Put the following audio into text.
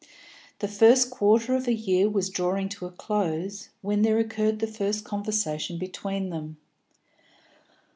The first quarter of a year was drawing to a close when there occurred the first conversation between them.